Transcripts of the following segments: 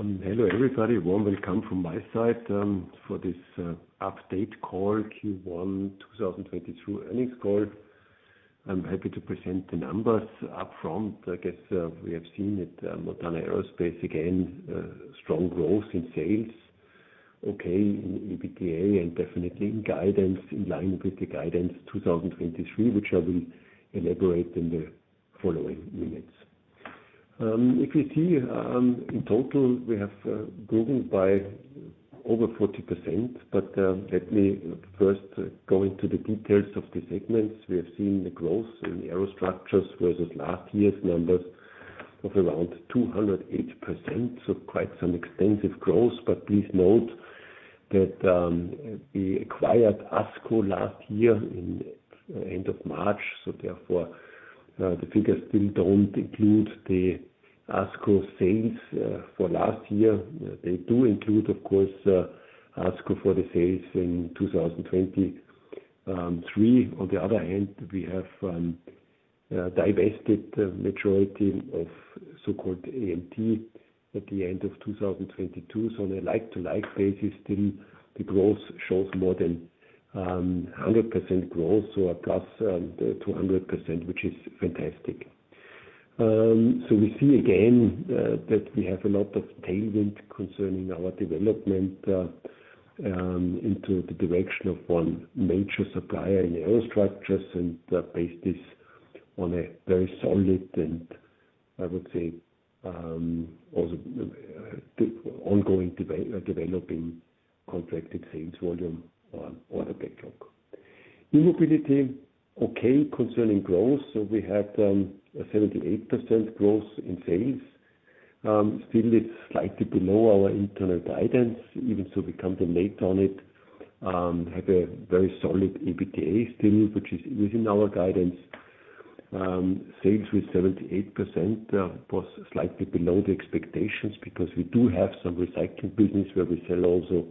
Hello everybody. Warm welcome from my side, for this update call, Q1 2023 earnings call. I'm happy to present the numbers up front. I guess, we have seen that Montana Aerospace again, strong growth in sales. Okay, in EBITDA and definitely in guidance, in line with the guidance 2023, which I will elaborate in the following minutes. If you see, in total, we have grown by over 40%. Let me first go into the details of the segments. We have seen the growth in the Aerostructures versus last year's numbers of around 208%. Quite some extensive growth, but please note that we acquired ASCO last year in end of March, therefore, the figures still don't include the ASCO sales for last year. They do include, of course, ASCO for the sales in 2023. On the other hand, we have divested the majority of so-called AMT at the end of 2022. On a like-to-like basis, still the growth shows more than 100% growth, a plus 200%, which is fantastic. We see again that we have a lot of tailwind concerning our development into the direction of one major supplier in Aerostructures, and based this on a very solid and I would say, also ongoing developing contracted sales volume on order backlog. E-Mobility, okay, concerning growth. We had 78% growth in sales. Still it's slightly below our internal guidance, even so we come late on it. Have a very solid EBITDA still, which is within our guidance. Sales with 78% was slightly below the expectations because we do have some recycling business where we sell also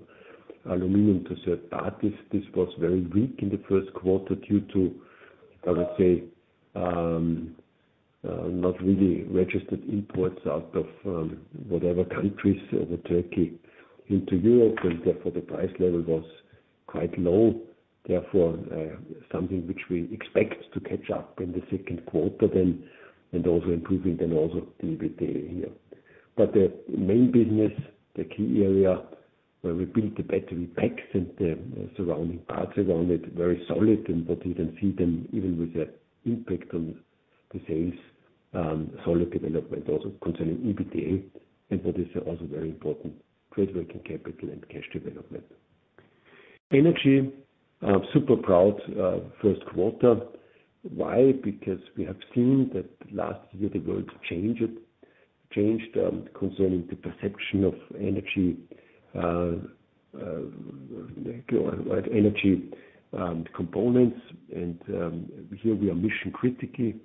aluminum to third parties. This was very weak in the first quarter due to, I would say, not really registered imports out of, whatever countries other Turkey into Europe, and therefore the price level was quite low. Something which we expect to catch up in the second quarter then, and also improving then also the EBITDA here. The main business, the key area where we build the battery packs and the surrounding parts around it, very solid. What you can see then, even with the impact on the sales, solid development also concerning EBITDA. What is also very important, Trade Working Capital and cash development. Energy, I'm super proud, first quarter. Why? Because we have seen that last year the world changed, concerning the perception of energy components. Here we are mission critically,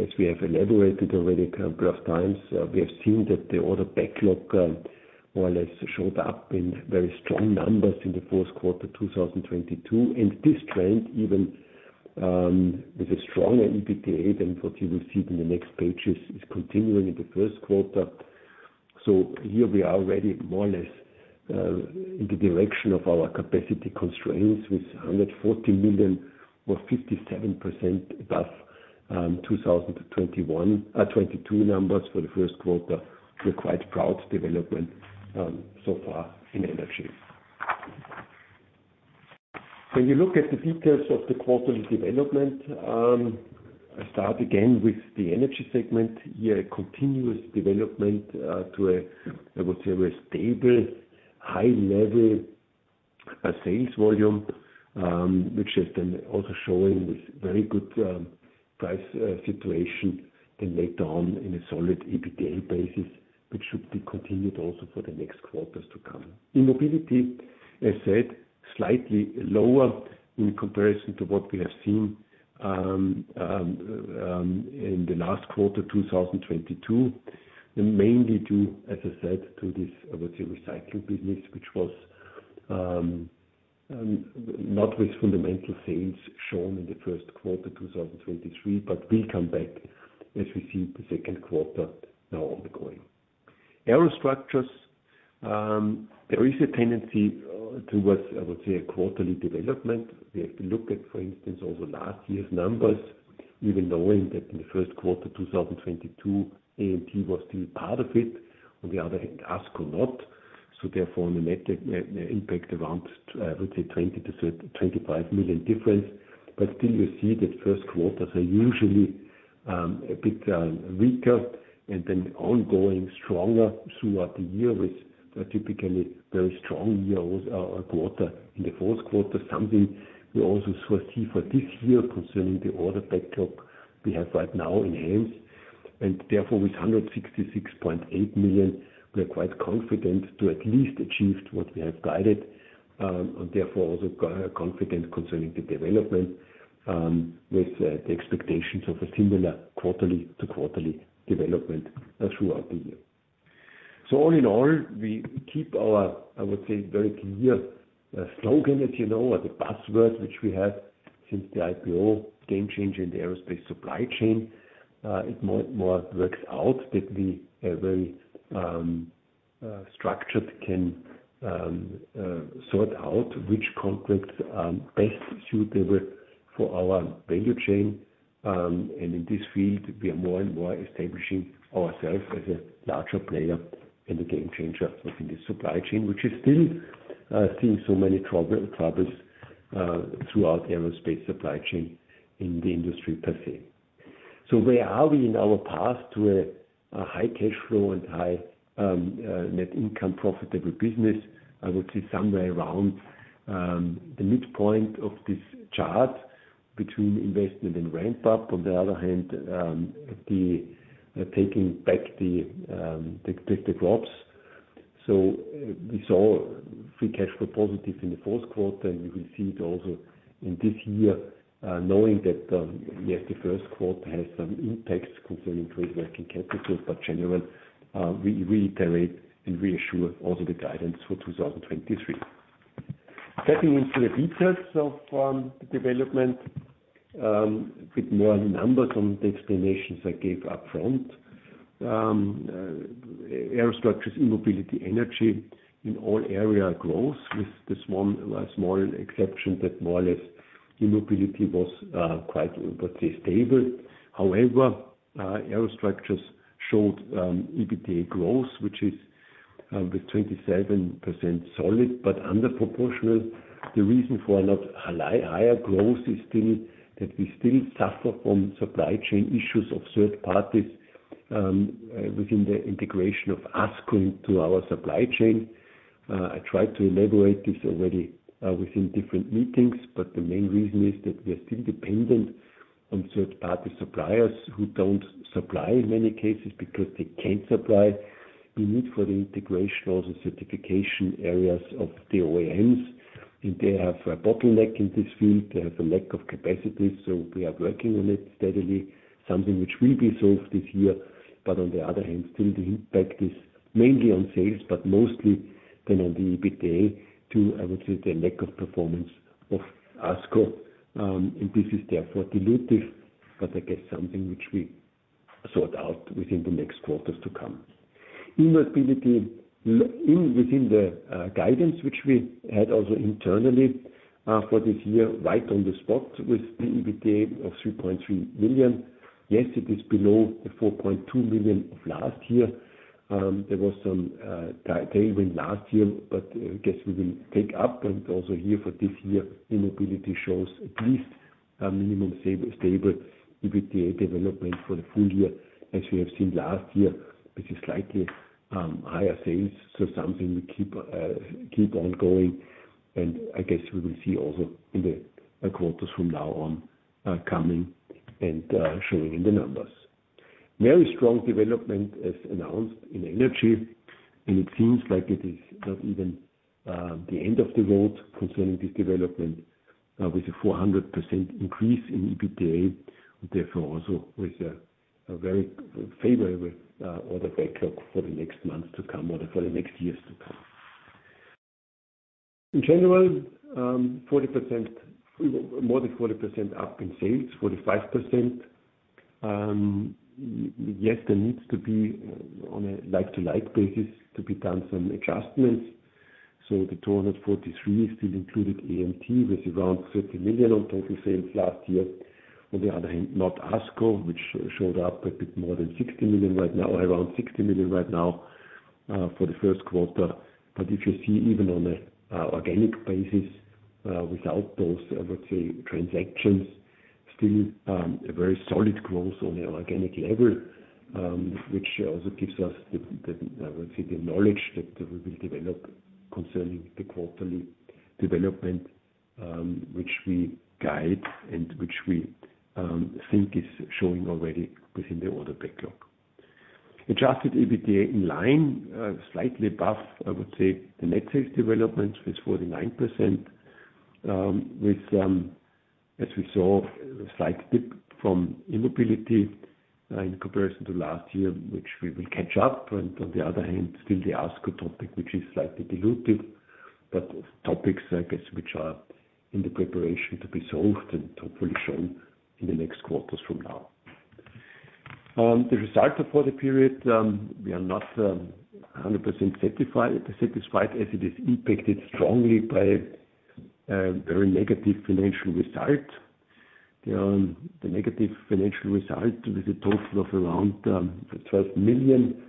as we have elaborated already a couple of times. We have seen that the order backlog, more or less showed up in very strong numbers in the fourth quarter 2022.This trend, even, with a stronger EBITDA than what you will see in the next pages, is continuing in the first quarter. Here we are already more or less, in the direction of our capacity constraints with 140 million or 57% above, 2021, 2022 numbers for the first quarter. We're quite proud development, so far in Energy. When you look at the details of the quarterly development, I start again with the Energy segment. Here, a continuous development to a, I would say, a stable high level sales volume, which has been also showing this very good price situation then later on in a solid EBITDA basis, which should be continued also for the next quarters to come. E-Mobility, as said, slightly lower in comparison to what we have seen in the last quarter 2022. Mainly due, as I said, to this I would say recycling business, which was not with fundamental sales shown in the first quarter 2023, but will come back as we see the second quarter now ongoing. Aerostructures, there is a tendency towards, I would say, a quarterly development. We have to look at, for instance, also last year's numbers, even knowing that in the first quarter 2022, AMT was still part of it. On the other hand, ASCO not. Therefore, on the net impact around, I would say 20 million-25 million difference. But still you see that first quarters are usually a bit weaker and then ongoing stronger throughout the year, with a typically very strong year or quarter in the fourth quarter. Something we also foresee for this year concerning the order backlog we have right now in hands. And therefore, with 166.8 million, we are quite confident to at least achieve what we have guided. And therefore also confident concerning the development with the expectations of a similar quarterly-to-quarterly development throughout the year. All in all, we keep our, I would say, very clear slogan as you know, or the buzzword which we have. Since the IPO game changer in the aerospace supply chain, it more works out that we are very structured can sort out which contracts are best suitable for our value chain. In this field, we are more and more establishing ourself as a larger player and a game changer within the supply chain, which is still seeing so many troubles throughout the aerospace supply chain in the industry per se. Where are we in our path to a high cash flow and high net income profitable business? I would say somewhere around the midpoint of this chart between investment and ramp up, on the other hand, taking back the drops. We saw free cash flow positive in the fourth quarter, and we will see it also in this year, knowing that, yes, the first quarter has some impacts concerning Trade Working Capital. Generally, we reiterate and reassure also the guidance for 2023. Stepping into the details of the development with more numbers on the explanations I gave up front. Aerostructures, E-Mobility, Energy in all area growth with the small exception that more or less E-Mobility was quite, let's say, stable. Aerostructures showed EBITDA growth, which is with 27% solid, but under proportional. The reason for not a higher growth is still that we still suffer from supply chain issues of third parties within the integration of ASCO into our supply chain. I tried to elaborate this already within different meetings, but the main reason is that we are still dependent on third party suppliers who don't supply in many cases because they can't supply the need for the integration or the certification areas of the OEMs. They have a bottleneck in this field. They have a lack of capacity, we are working on it steadily, something which will be solved this year. On the other hand, still the impact is mainly on sales, but mostly then on the EBITDA to, I would say, the lack of performance of ASCO. This is therefore dilutive, but I guess something which we sort out within the next quarters to come. E-Mobility in within the guidance, which we had also internally for this year, right on the spot with the EBITDA of 3.3 million. Yes, it is below the 4.2 million of last year. There was some tailwind last year, but I guess we will take up and also here for this year, E-Mobility shows at least a minimum stable EBITDA development for the full year. As we have seen last year with a slightly higher sales. Something we keep on going, and I guess we will see also in the quarters from now on coming and showing in the numbers. Very strong development as announced in Energy, it seems like it is not even the end of the road concerning this development, with a 400% increase in EBITDA. Therefore, also with a very favorable order backlog for the next months to come or for the next years to come. In general, 40%, more than 40% up in sales, 45%. Yes, there needs to be on a like-to-like basis to be done some adjustments. The 243 still included AMT with around 30 million on total sales last year. On the other hand, not ASCO, which showed up a bit more than 60 million right now, around 60 million right now, for the first quarter. If you see even on an organic basis, without those, I would say transactions, still, a very solid growth on the organic level, which also gives us the, I would say, the knowledge that we will develop concerning the quarterly development, which we guide and which we think is showing already within the order backlog. Adjusted EBITDA in line, slightly above, I would say the net sales development with 49%, with, as we saw, a slight dip from E-Mobility, in comparison to last year, which we will catch up. On the other hand, still the ASCO topic, which is slightly dilutive, but topics I guess, which are in the preparation to be solved and hopefully shown in the next quarters from now. The result for the period, we are not 100% satisfied as it is impacted strongly by a very negative financial result. The negative financial result with a total of around 12 million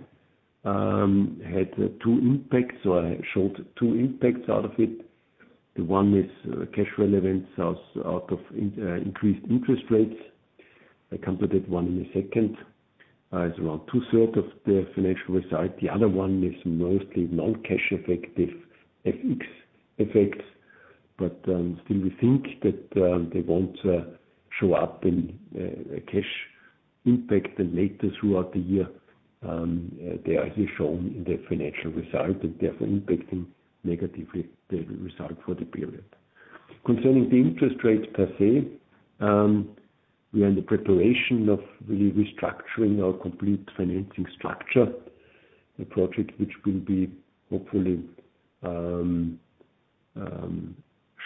had two impacts or showed two impacts out of it. The one is cash relevance out of increased interest rates. I come to that one in a second. It's around two third of the financial result. The other one is mostly non-cash effective FX effects. Still we think that they won't show up in a cash impact until later throughout the year. They are here shown in the financial result and therefore impacting negatively the result for the period. Concerning the interest rates per se, we are in the preparation of really restructuring our complete financing structure. The project which will be hopefully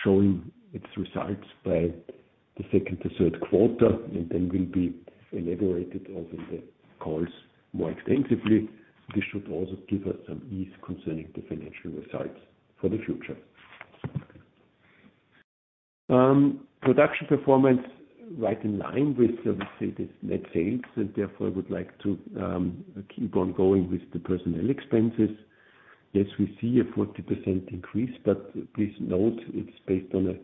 showing its results by the second to third quarter. Then will be elaborated over the calls more extensively. This should also give us some ease concerning the financial results for the future. Production performance right in line with the net sales. Therefore, I would like to keep on going with the personnel expenses. Yes, we see a 40% increase. Please note it's based on a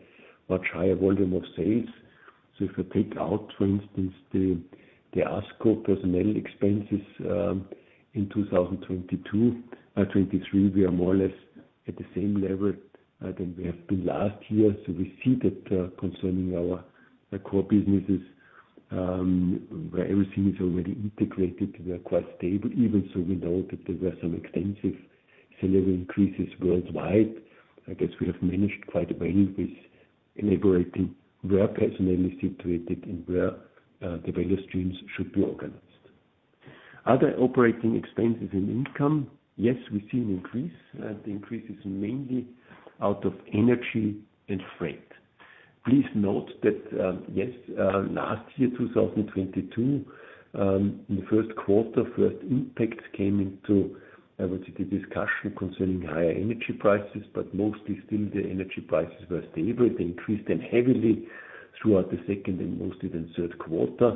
much higher volume of sales. If you take out, for instance, the ASCO personnel expenses in 2022, 2023, we are more or less at the same level than we have been last year. We see that, concerning our core businesses, where everything is already integrated, we are quite stable. Even so, we know that there were some extensive salary increases worldwide. I guess we have managed quite a way with elaborating where personnel is situated and where the value streams should be organized. Other operating expenses and income. We see an increase. The increase is mainly out of energy and freight. Please note that, yes, last year, 2022, in the first quarter, first impact came into, I would say, the discussion concerning higher energy prices, but mostly still the energy prices were stable. They increased then heavily throughout the second and mostly the third quarter,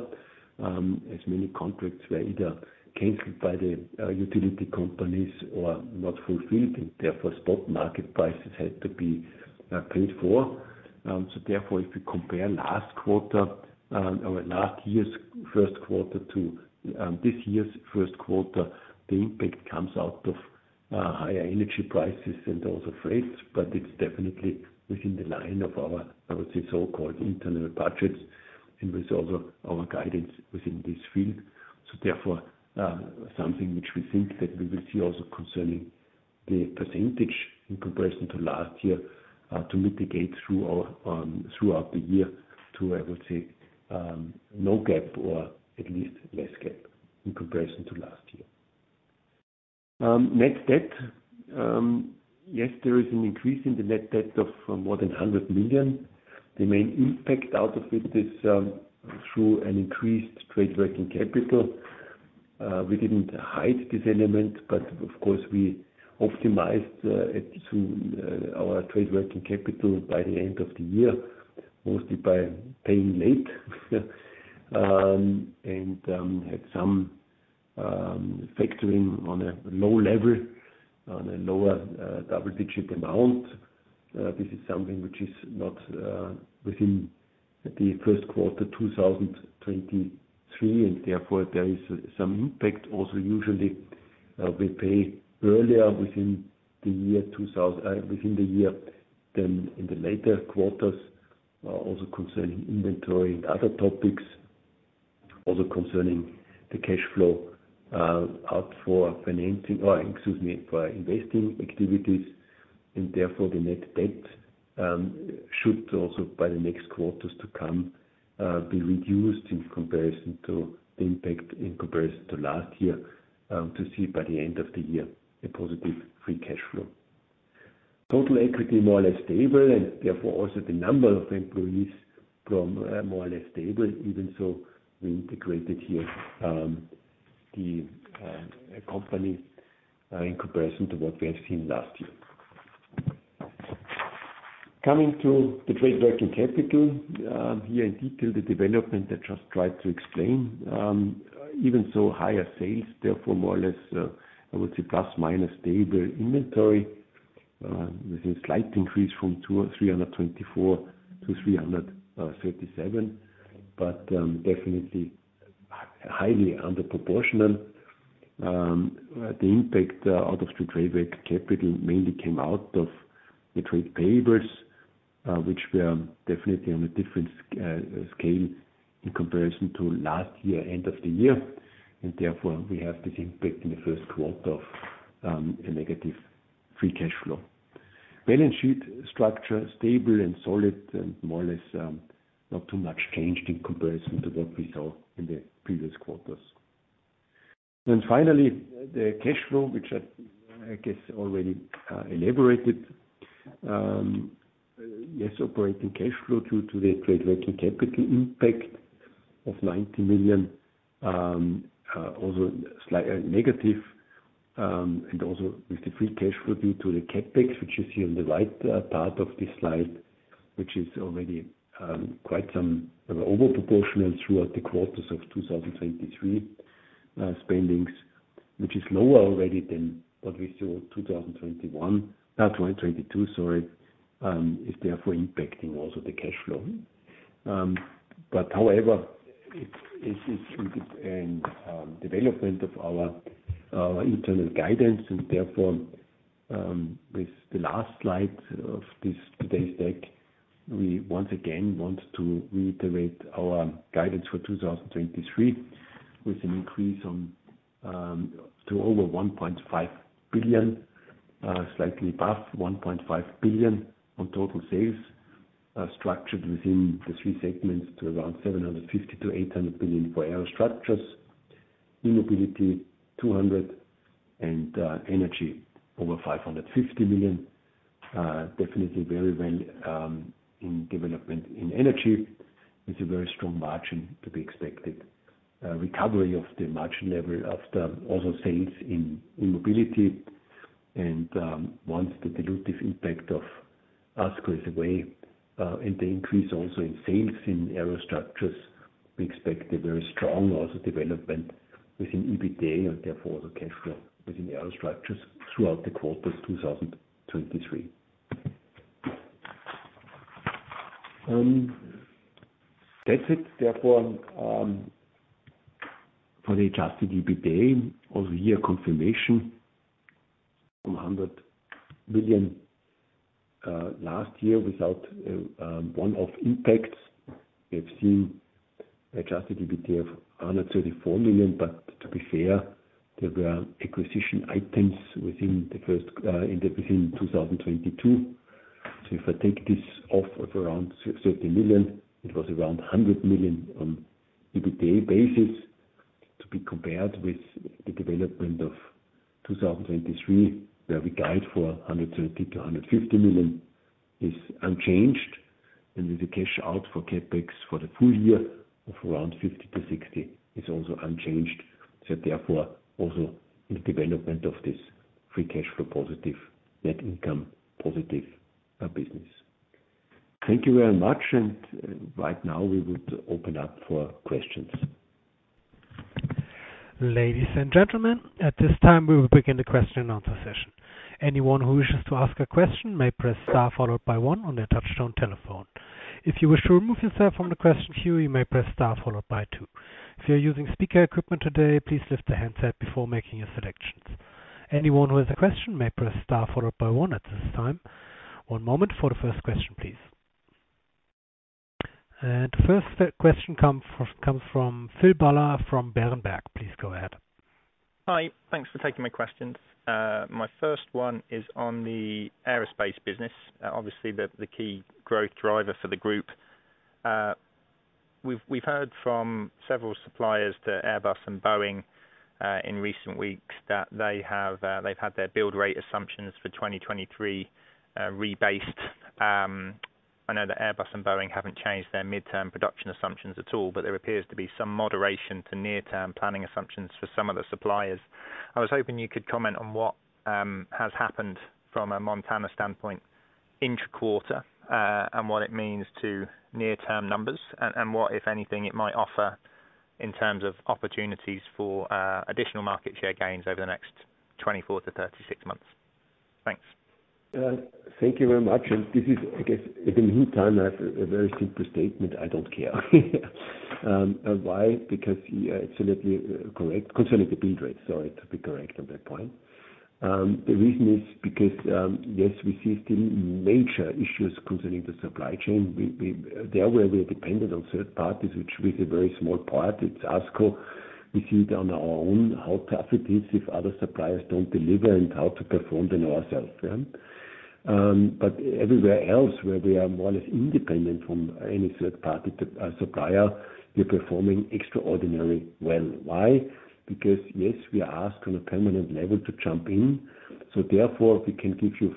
as many contracts were either canceled by the utility companies or not fulfilled and therefore spot market prices had to be paid for. Therefore, if you compare last quarter, or last year's first quarter to this year's first quarter, the impact comes out of higher energy prices and also freights. It's definitely within the line of our, I would say, so-called internal budgets and with also our guidance within this field. Therefore, something which we think that we will see also concerning the percentage in comparison to last year, to mitigate throughout the year to, I would say, no gap or at least less gap in comparison to last year. Net debt. Yes, there is an increase in the net debt of more than 100 million. The main impact out of it is through an increased Trade Working Capital. We didn't hide this element, of course, we optimized it to our Trade Working Capital by the end of the year, mostly by paying late. Had some factoring on a low level, on a lower double-digit amount. This is something which is not within the first quarter 2023, and therefore there is some impact. Usually, we pay earlier within the year than in the later quarters. Concerning inventory and other topics, also concerning the cash flow out for financing or, excuse me, for investing activities, and therefore, the net debt should also by the next quarters to come, be reduced in comparison to the impact in comparison to last year, to see by the end of the year a positive Free Cash Flow. Total equity more or less stable. Therefore also the number of employees from more or less stable. Even so, we integrated here the company in comparison to what we have seen last year. Coming to the Trade Working Capital. Here in detail, the development I just tried to explain. Even so, higher sales, therefore more or less, I would say plus-minus stable inventory, with a slight increase from 324 to 337, but definitely highly under proportional. The impact out of the Trade Working Capital mainly came out of the trade payables, which were definitely on a different scale in comparison to last year, end of the year. Therefore we have this impact in the first quarter of a negative free cash flow. Balance sheet structure, stable and solid and more or less, not too much changed in comparison to what we saw in the previous quarters. Finally, the cash flow, which I guess already elaborated. Yes, operating cash flow due to the Trade Working Capital impact of 90 million, also slight negative, and also with the free cash flow due to the CapEx, which you see on the right part of this slide, which is already quite some over proportional throughout the quarters of 2023 spendings, which is lower already than what we saw 2021. 2022, sorry. Is therefore impacting also the cash flow. However, it's in development of our internal guidance and therefore, with the last slide of this today's deck, we once again want to reiterate our guidance for 2023 with an increase on to over 1.5 billion, slightly above 1.5 billion on total sales. Structured within the three segments to around 750 billion to 800 billion for Aerostructures. In E-Mobility, 200. Energy over 550 million. Definitely very well in development in Energy. It's a very strong margin to be expected. Recovery of the margin level of the, also sales in E-Mobility and once the dilutive impact of ASCO away, and the increase also in sales in Aerostructures, we expect a very strong also development within EBITDA, and therefore, also cash flow within Aerostructures throughout the quarters 2023. That's it. Therefore, for the adjusted EBITDA, also here confirmation from 100 million last year without one-off impacts. We have seen adjusted EBITDA of 134 million. To be fair, there were acquisition items within the first within 2022. If I take this off of around 30 million, it was around 100 million on EBITDA basis. To be compared with the development of 2023, where we guide for 130-150 million is unchanged, with the cash out for CapEx for the full year of around 50-60 million is also unchanged. Therefore, also in the development of this free cash flow positive, net income positive business. Thank you very much. Right now, we would open up for questions. Ladies and gentlemen, at this time, we will begin the question and answer session. Anyone who wishes to ask a question may press star followed by one on their touchtone telephone. If you wish to remove yourself from the question queue, you may press star followed by two. If you're using speaker equipment today, please lift the handset before making your selections. Anyone with a question may press star followed by one at this time. One moment for the first question, please. The first question comes from Phil Buller from Berenberg. Please go ahead. Hi. Thanks for taking my questions. My first one is on the aerospace business. Obviously the key growth driver for the group. We've heard from several suppliers to Airbus and Boeing in recent weeks that they have had their build rate assumptions for 2023 rebased. I know that Airbus and Boeing haven't changed their midterm production assumptions at all, but there appears to be some moderation to near-term planning assumptions for some of the suppliers. I was hoping you could comment on what has happened from a Montana standpoint inter-quarter, and what it means to near-term numbers, and what, if anything, it might offer in terms of opportunities for additional market share gains over the next 24 to 36 months. Thanks. Thank you very much. This is, I guess, in the meantime, I have a very simple statement. I don't care. Why? Because you're absolutely correct concerning the build rate. To be correct on that point. The reason is because, yes, we see still major issues concerning the supply chain. There we're dependent on third parties, which with a very small part, it's ASCO. We see it on our own, how tough it is if other suppliers don't deliver and how to perform then ourself. Everywhere else where we are more or less independent from any third party to supplier, we're performing extraordinarily well. Why? Because yes, we are asked on a permanent level to jump in. Therefore, we can give you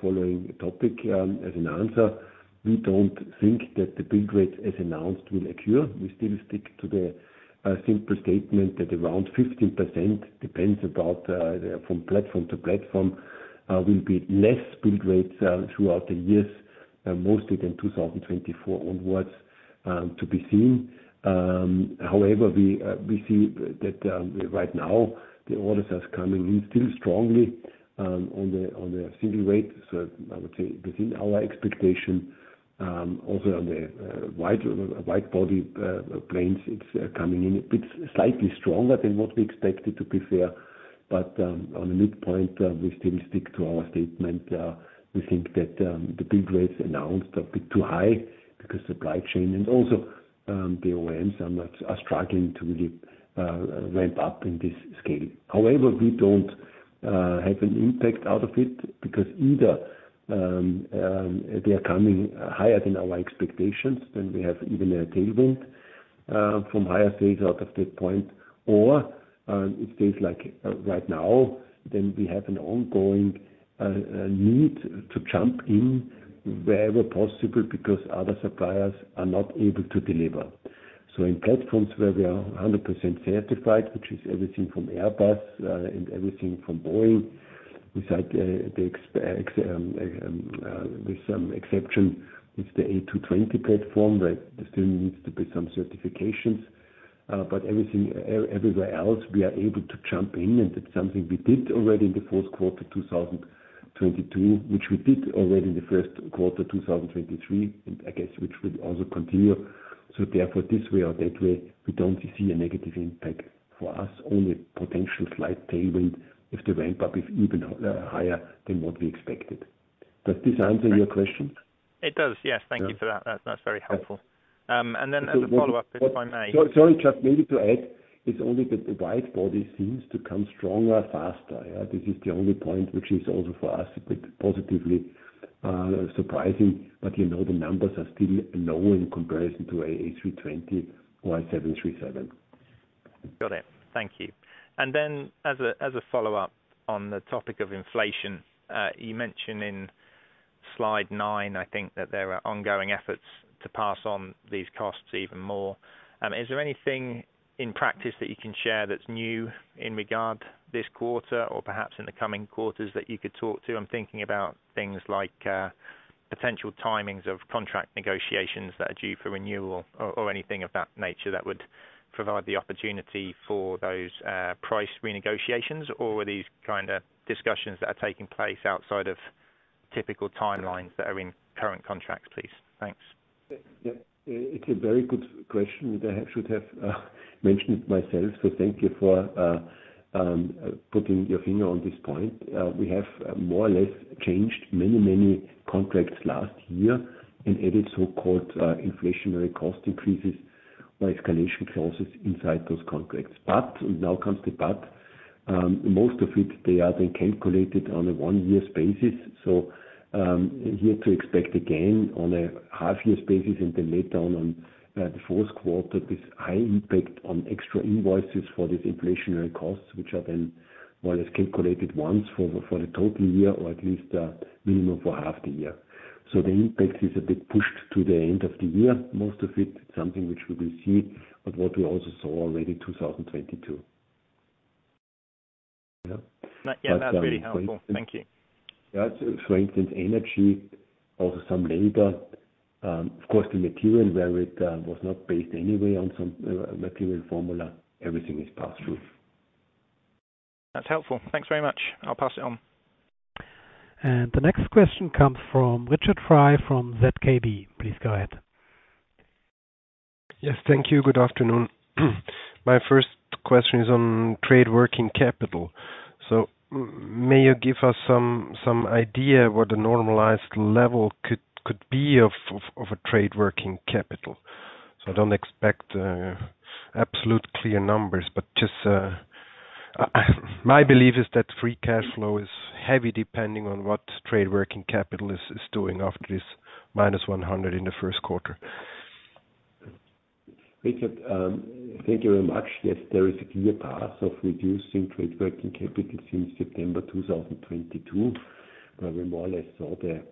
following topic as an answer. We don't think that the build rate as announced will occur. We still stick to the simple statement that around 15% depends about from platform to platform will be less build rates throughout the years, mostly than 2024 onwards, to be seen. However, we see that right now the orders are coming in still strongly on the single aisle. I would say within our expectation, also on the wide-body planes, it's coming in a bit slightly stronger than what we expected to be fair. On the midpoint, we still stick to our statement. We think that the build rates announced are a bit too high because supply chain and also the OEMs are struggling to really ramp up in this scale. We don't have an impact out of it because either they are coming higher than our expectations, then we have even a tailwind from higher sales out of that point. It stays like right now, then we have an ongoing need to jump in wherever possible because other suppliers are not able to deliver. In platforms where we are 100% certified, which is everything from Airbus and everything from Boeing, inside with some exception, it's the A220 platform that there still needs to be some certifications. Everything, everywhere else, we are able to jump in, and it's something we did already in the first quarter 2022, which we did already in the first quarter 2023, and I guess which will also continue. Therefore, this way or that way, we don't see a negative impact for us, only potential slight tailwind if the ramp-up is even higher than what we expected. Does this answer your question? It does, yes. Yeah. Thank you for that. That's very helpful. Then as a follow-up, if I may. Sorry, just maybe to add, it's only that the wide-body seems to come stronger, faster. Yeah. This is the only point which is also for us, a bit positively surprising. You know, the numbers are still low in comparison to A320/737. Got it. Thank you. As a follow-up on the topic of inflation, you mentioned in slide nine, I think that there are ongoing efforts to pass on these costs even more. Is there anything in practice that you can share that's new in regard this quarter or perhaps in the coming quarters that you could talk to? I'm thinking about things like, potential timings of contract negotiations that are due for renewal or anything of that nature that would provide the opportunity for those, price renegotiations. Were these kind of discussions that are taking place outside of typical timelines that are in current contracts, please? Thanks. Yeah. It's a very good question that I should have mentioned myself, so thank you for putting your finger on this point. We have more or less changed many, many contracts last year and added so-called inflationary cost increases or escalation clauses inside those contracts. Now comes the but, most of it, they have been calculated on a 1 year basis. Here to expect again on a half year basis and then later on the fourth quarter, this high impact on extra invoices for these inflationary costs, which have been more or less calculated once for the total year or at least minimum for half the year. The impact is a bit pushed to the end of the year. Most of it, something which we will see, but what we also saw already in 2022. Yeah. Yeah. That's very helpful. Thank you. Yeah. For instance, Energy, also some labor, of course the material where it was not based anyway on some material formula, everything is passed through. That's helpful. Thanks very much. I'll pass it on. The next question comes from Richard Frei from ZKB. Please go ahead. Yes, thank you. Good afternoon. My first question is on trade working capital. May you give us some idea what the normalized level could be of a trade working capital? I don't expect absolute clear numbers, but just my belief is that free cash flow is heavy, depending on what trade working capital is doing after this -100 in the first quarter. Richard, thank you very much. Yes, there is a clear path of reducing Trade Working Capital since September 2022, where we more or less saw the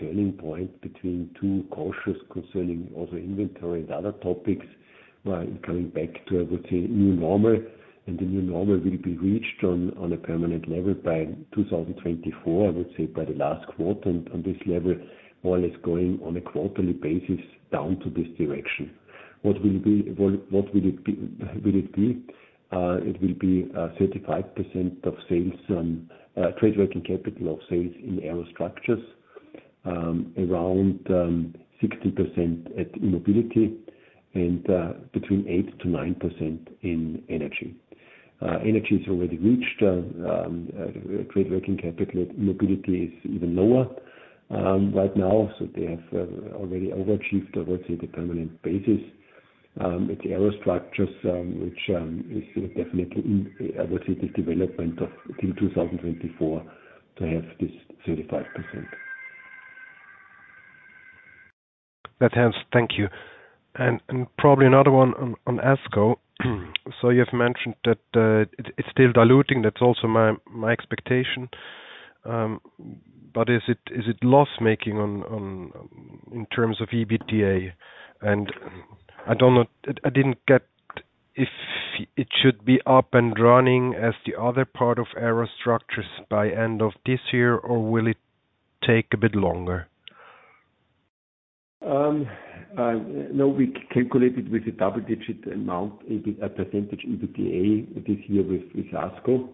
turning point between two cautious concerning also inventory and other topics. Well, coming back to, I would say, new normal, the new normal will be reached on a permanent level by 2024, I would say, by the last quarter. On this level, more or less going on a quarterly basis down to this direction. What will it be? It will be 35% of sales, Trade Working Capital of sales in Aerostructures, around 60% at E-Mobility and between 8%-9% in Energy. Energy is already reached, Trade Working Capital at Mobility is even lower, right now. They have already overachieved towards, say, the permanent basis. It's Aerostructures, which is definitely, I would say, the development in 2024 to have this 35%. That helps. Thank you. Probably another one on ASCO. You have mentioned that it's still diluting. That's also my expectation. Is it loss making on, in terms of EBITDA? I don't know. I didn't get if it should be up and running as the other part of aerostructures by end of this year, or will it take a bit longer? No, we calculated with a double-digit % EBITDA this year with ASCO,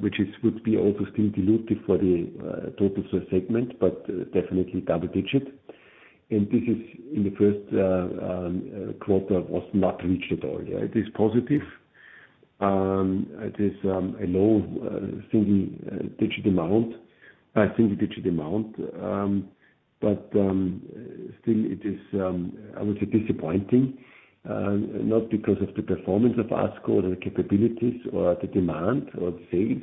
which would be also still dilutive for the total sales segment, but definitely double-digit. This is in the first quarter was not reached at all. Yeah. It is positive. It is a low single-digit amount. Still it is, I would say disappointing, not because of the performance of ASCO or the capabilities or the demand or the sales.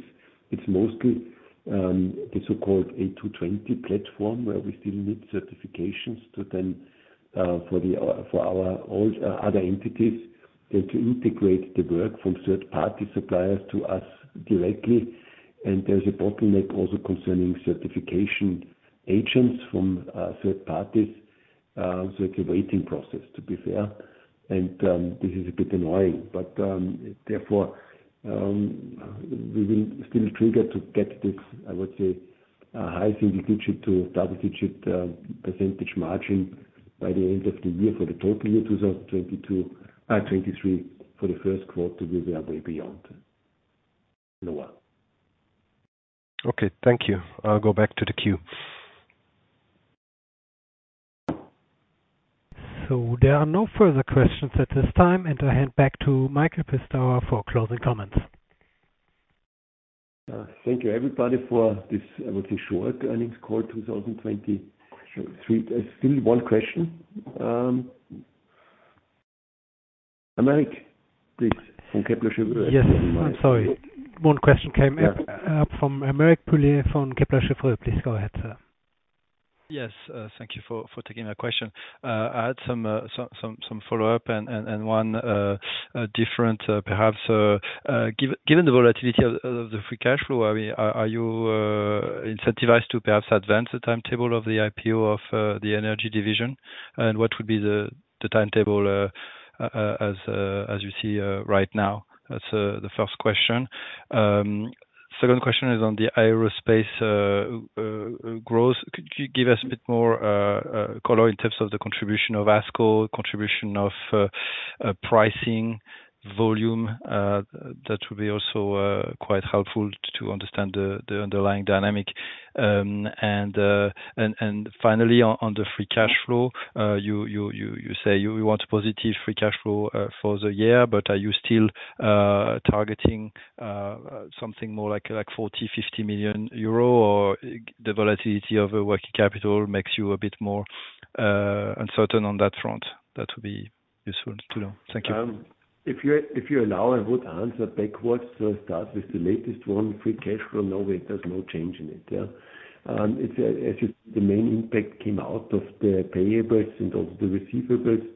It's mostly the so-called A220 platform where we still need certifications to then for our other entities then to integrate the work from third party suppliers to us directly. There's a bottleneck also concerning certification agents from third parties. It's a waiting process, to be fair. This is a bit annoying, but therefore we will still trigger to get this, I would say, a high single-digit to double-digit % margin by the end of the year for the total year, 2022, 2023. For the first quarter, we are way beyond. Noah. Okay, thank you. I'll go back to the queue. There are no further questions at this time. I hand back to Michael Pistauer for closing comments. Thank you everybody for this, I would say short earnings call 2023. Still one question. Aymeric, please from Kepler Cheuvreux. Yes. Sorry. One question came up from Aymeric Poulain from Kepler Cheuvreux. Please go ahead, sir. Yes. Thank you for taking my question. I had some follow-up and one different perhaps. Given the volatility of the free cash flow, I mean, are you incentivized to perhaps advance the timetable of the IPO of the Energy division? What would be the timetable as you see right now? That's the first question. Second question is on the aerospace growth. Could you give us a bit more color in terms of the contribution of ASCO, contribution of pricing, volume? That will be also quite helpful to understand the underlying dynamic. Finally on the free cash flow. You say you want positive free cash flow for the year. Are you still targeting something more like 40 million-50 million euro, or the volatility of a working capital makes you a bit more uncertain on that front? That would be useful to know. Thank you. If you allow, I would answer backwards. Start with the latest one. Free cash flow. No, there's no change in it. Yeah. It's, as you, the main impact came out of the payables and also the receivables.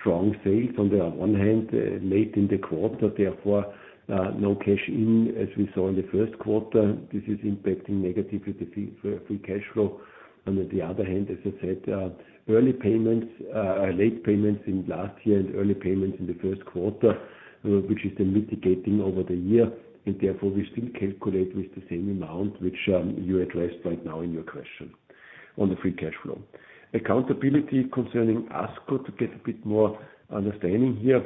Strong sales on the one hand late in the quarter, therefore, no cash in as we saw in the first quarter. This is impacting negatively the free cash flow. On the other hand, as I said, early payments, late payments in last year and early payments in the first quarter, which is then mitigating over the year. Therefore we still calculate with the same amount which, you addressed right now in your question on the free cash flow. Accountability concerning ASCO. To get a bit more understanding here,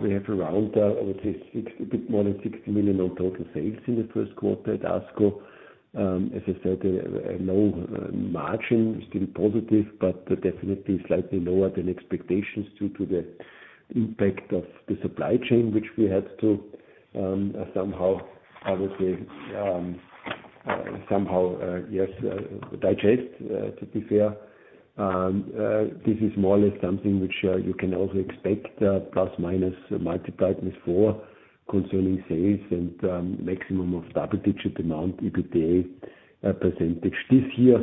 we have around 60 million on total sales in the first quarter at ASCO. As I said, a low margin, still positive, but definitely slightly lower than expectations due to the impact of the supply chain, which we had to, somehow, obviously, somehow, yes, digest, to be fair. This is more or less something which, you can also expect, plus minus multiplied with four concerning sales and maximum of double-digit amount EBITDA %. This year,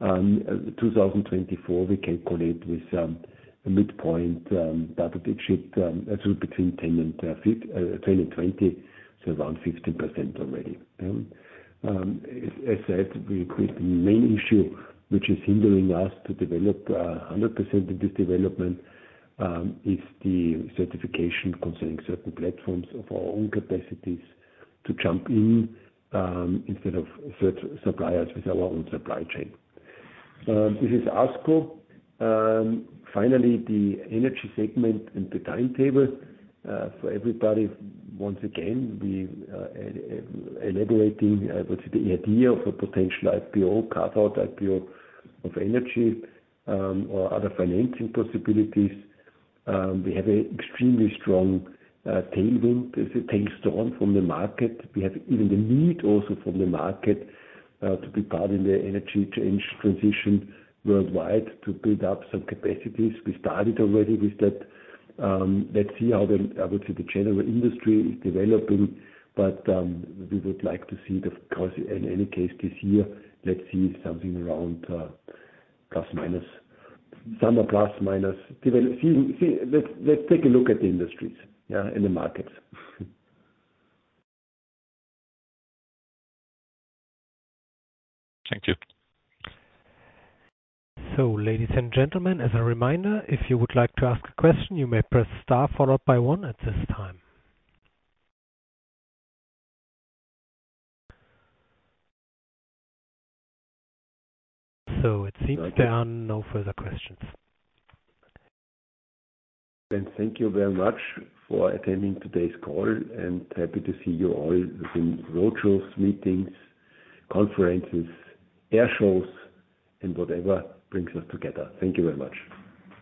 2024, we calculate with a midpoint, double-digit, between 10 and 20, so around 15% already. As said, the main issue which is hindering us to develop 100% of this development is the certification concerning certain platforms of our own capacities to jump in instead of certain suppliers with our own supply chain. This is ASCO. Finally, the Energy segment and the timetable for everybody. Once again, we elaborating, I would say the idea of a potential IPO, cut out IPO of Energy, or other financing possibilities. We have a extremely strong tailwind as it takes on from the market. We have even the need also from the market to be part in the energy change transition worldwide to build up some capacities. We started already with that. Let's see how the, I would say, the general industry is developing. We would like to see the, of course, in any case this year. Let's see something around plus minus. Some are plus minus. Let's take a look at the industries, yeah, and the markets. Thank you. Ladies and gentlemen, as a reminder, if you would like to ask a question, you may press star followed by one at this time. It seems there are no further questions. Thank you very much for attending today's call and happy to see you all within roadshows, meetings, conferences, air shows and whatever brings us together. Thank you very much.